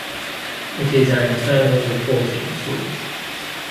It is an internal reporting tool.